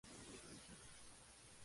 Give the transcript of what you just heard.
La serie cuenta con ocho episodios.